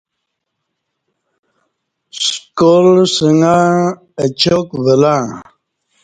سکال سنگع اچاک ولّݩع